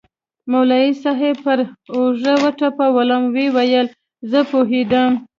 مولوي صاحب پر اوږه وټپولوم ويې ويل زه پوهېدم.